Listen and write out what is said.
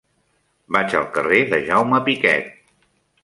Vaig al carrer de Jaume Piquet.